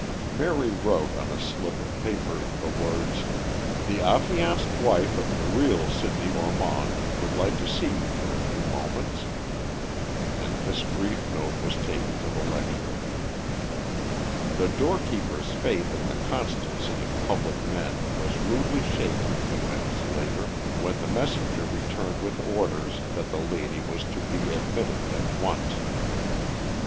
Mary wrote on a slip of paper the words, "The affianced wife of the real Sidney Ormond would like to see you for a few moments," and this brief note was taken in to the lecturer. The door keeper's faith in the constancy of public men was rudely shaken a few minutes later, when the messenger returned with orders that the lady was to be admitted at once.